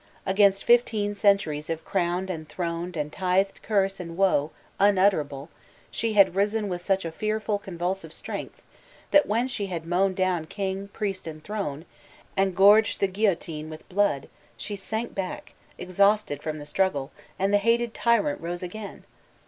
Against fifteen cen turies of crowned and throned and tithed curse and woe unutterable, she had risen with such a fearful con vulsive strength that when she had mown down kti^, priest and throne, and goiged the guillotine with blood, she sank back, exhausted from the struggle, and the hated tyrant rose again.